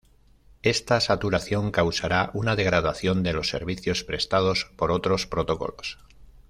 Esta saturación causará una degradación de los servicios prestados por otros protocolos.